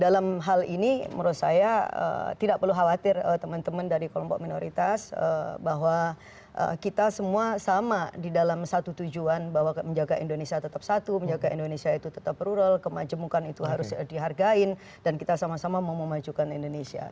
dalam hal ini menurut saya tidak perlu khawatir teman teman dari kelompok minoritas bahwa kita semua sama di dalam satu tujuan bahwa menjaga indonesia tetap satu menjaga indonesia itu tetap prural kemajemukan itu harus dihargai dan kita sama sama mau memajukan indonesia